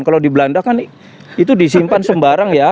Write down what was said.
kalau di belanda kan itu disimpan sembarang ya